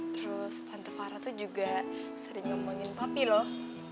terus tante fara tuh juga sering ngomongin papi loh